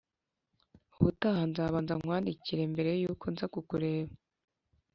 Ubutaha nzabanza nkwandikire mbere yuko nza kukureba